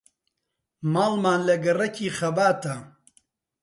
ماڵمان لە گەڕەکی خەباتە.